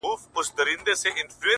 مرغلري په ګرېوان او په لمن کي!